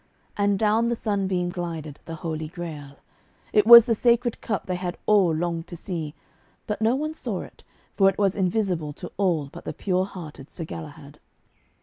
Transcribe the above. And down the sunbeam glided the Holy Grail. It was the Sacred Cup they had all longed to see. But no one saw it, for it was invisible to all but the pure hearted Sir Galahad.